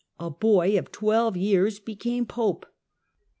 a boy of twelve years old, became Pope.